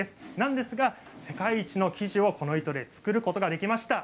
ですが世界一の生地をこの糸で作ることができました。